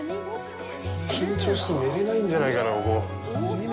緊張して寝れないんじゃないかな、ここ。